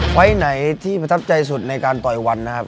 ไฟล์ไหนที่ประทับใจสุดในการต่อยวันนะครับ